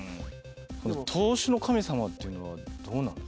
この「投資の神様」っていうのはどうなの？